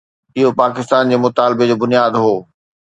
اهو پاڪستان جي مطالبي جو بنياد هو.